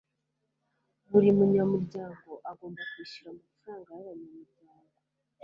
Buri munyamuryango agomba kwishyura amafaranga yabanyamuryango.